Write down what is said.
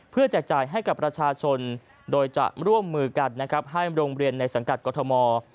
เพื่อแจ่ใจให้กับประชาชนโดยจะร่วมมือกันให้โรงเรียนในสังกัดกฎมอร์